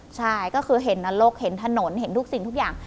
ใช่ก็คือเห็นนรกเห็นถนนเห็นทุกสิ่งทุกอย่าง